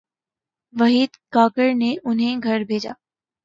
وحید کاکڑ نے انہیں گھر بھیجا۔